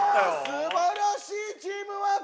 すばらしいチームワーク！